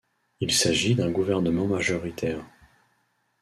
Il s'agit d'un gouvernement majoritaire.